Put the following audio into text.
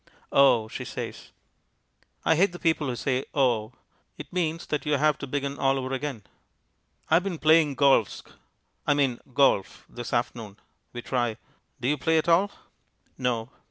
"Oh!" she says. I hate people who say "Oh!" It means that you have to begin all over again. "I've been playing golfsk I mean golf this afternoon," we try. "Do you play at all?" "No."